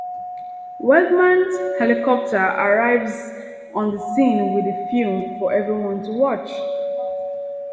Weidmann's helicopter arrives on the scene with the film for everyone to watch.